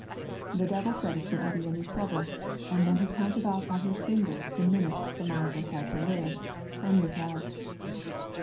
The devil said it wouldn't be any trouble, an' then he counted off on his fingers the minutes the miser had to live, an' lit out.